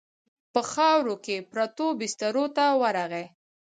په خاورو کې پرتو بسترو ته ورغی.